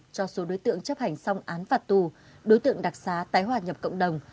cho số đối tượng chấp hành xong án phạt tù đối tượng đặc xá tái hòa nhập cộng đồng